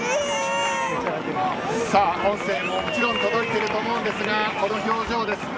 音声はもちろん届いていると思いますが、この表情です。